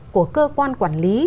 của cơ quan quản lý